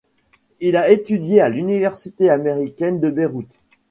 Il a étudié à l'université américaine de Beyrouth.